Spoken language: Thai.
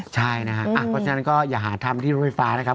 เพราะฉะนั้นก็อย่าหาทำที่โรยฟ้านะครับ